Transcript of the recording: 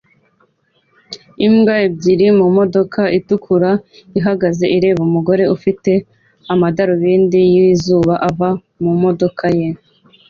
Imbwa ebyiri mumodoka itukura ihagaze ireba umugore ufite amadarubindi yizuba ava mumodoka ye